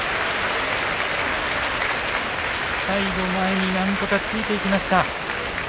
最後なんとか前に突いていきました。